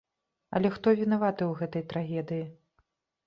Але хто вінаваты ў гэтай трагедыі?